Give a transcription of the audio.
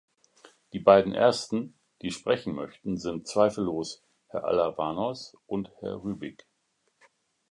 Die beiden ersten, die sprechen möchten, sind zweifellos Herr Alavanos und Herr Rübig.